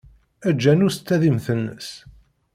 Eǧǧ anu s tadimt-nnes.